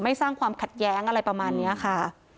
สร้างความขัดแย้งอะไรประมาณนี้ค่ะ